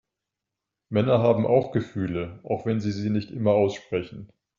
Männer haben auch Gefühle, auch wenn sie sie nicht immer aussprechen.